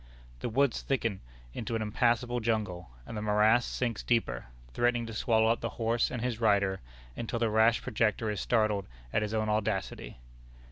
The woods thicken into an impassable jungle; and the morass sinks deeper, threatening to swallow up the horse and his rider; until the rash projector is startled at his own audacity.